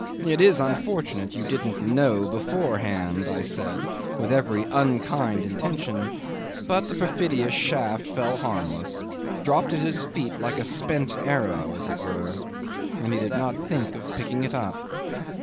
"It is unfortunate you didn't know beforehand!" I said with every unkind intention; but the perfidious shaft fell harmless dropped at his feet like a spent arrow, as it were, and he did not think of picking it up.